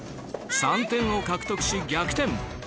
３点を獲得し、逆転。